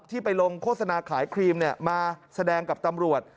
ไปลงโฆษณาขายครีมมาแสดงกับตำรวจ